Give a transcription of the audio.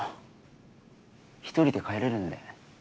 一人で帰れるんで。